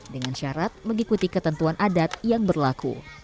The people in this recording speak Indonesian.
dengan syarat mengikuti ketentuan adat yang berlaku